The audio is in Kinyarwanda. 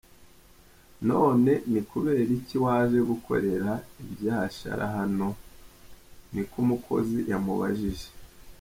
"None ni kubera iki waje gukorera ivyashara hano?" niko umukozi yamubajije.